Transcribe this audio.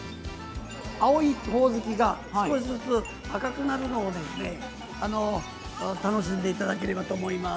青いほおずきが少しずつ赤くなるのをですね楽しんでいただければと思います。